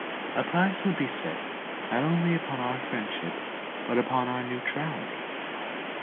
A price would be set not only upon our friendship, but upon our neutrality.